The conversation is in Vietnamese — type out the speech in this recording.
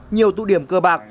nhiều tụ điểm cơ bạc